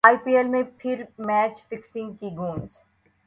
ائی P L میں پھر match fixing کی گونج